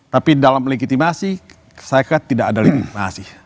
tapi dalam legitimasi saya kan tidak ada legitimasi